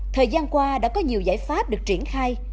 thời gian qua đã có nhiều giải pháp được triển khai